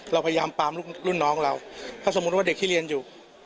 เราพยายามปามรุ่นน้องเราถ้าสมมุติว่าเด็กที่เรียนอยู่